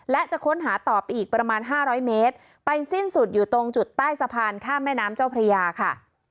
และจะค้นหาต่อไปอีกประมาณ๕๐๐เมตรไปสิ้นสุดอยู่ตรงจุดใต้สะพานข้ามแม่น้ำเจ้าพระยาค่ะ